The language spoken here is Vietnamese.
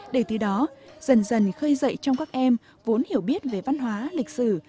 để từ đó dần dần khơi dậy trong các em vốn hiểu biết về văn hóa lịch sử